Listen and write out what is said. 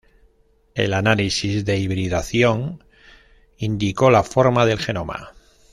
El Análisis de hibridación indicó la forma del genoma.